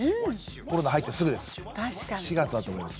コロナ入ってすぐです。